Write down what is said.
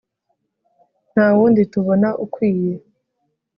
ntawundi tubona ukwiye